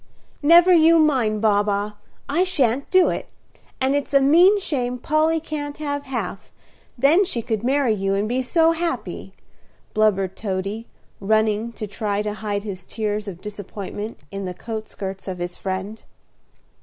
"Never you mind, Baa baa; I shan't do it; and it's a mean shame Polly can't have half; then she could marry you and be so happy," blubbered Toady, running to try to hide his tears of disappointment in the coat skirts of his friend.